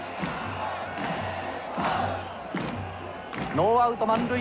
ノーアウト満塁。